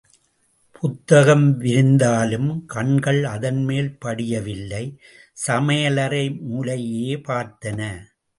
புத்தகம் விரிந்தாலும், கண்கள் அதன் மேல் படியவில்லை, சமையலறை மூலையையே பார்த்தன.